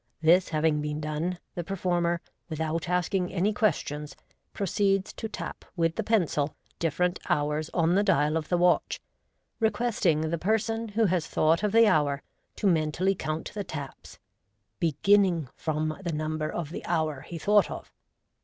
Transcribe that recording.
This having been done, the performer, without asking any questions, proceeds to tap with the pencil different hours on the dial of the watch, requesting the person who has thought of the hour to mentally count the taps, beginning from the number of the hour he thought of.